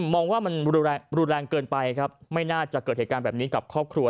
มองว่ามันรุนแรงเกินไปครับไม่น่าจะเกิดเหตุการณ์แบบนี้กับครอบครัว